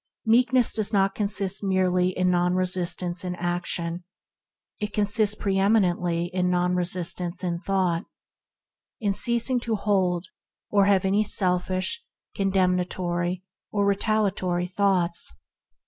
Meekness does not consist merely in non resistance in action; it consists pre eminently in non resistance in thought, in ceasing to hold or to have any selfish, condemnatory, or retaliatory thoughts.